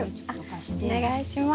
お願いします。